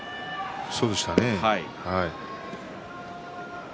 そうでしたね。